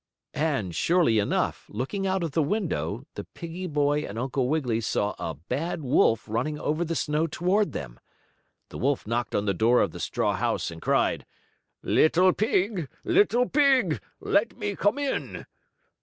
And, surely enough, looking out of the window, the piggie boy and Uncle Wiggily saw a bad wolf running over the snow toward them. The wolf knocked on the door of the straw house and cried: "Little pig! Little pig! Let me come in."